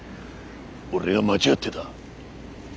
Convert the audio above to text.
俺は間違ってた。